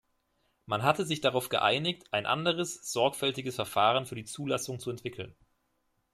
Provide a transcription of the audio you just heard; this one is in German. Man hatte sich darauf geeinigt, ein anderes, sorgfältiges Verfahren für die Zulassung zu entwickeln.